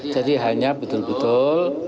jadi hanya betul betul